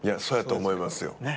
そうやと思いますよ。